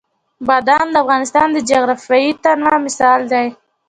بادام د افغانستان د جغرافیوي تنوع مثال دی.